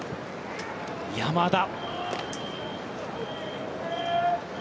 山田。